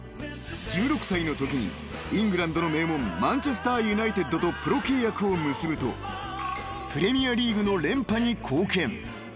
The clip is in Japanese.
［１６歳のときにイングランドの名門マンチェスター・ユナイテッドとプロ契約を結ぶとプレミアリーグの連覇に貢献］